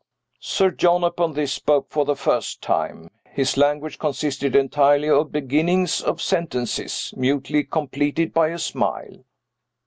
Sir John, upon this, spoke for the first time. His language consisted entirely of beginnings of sentences, mutely completed by a smile.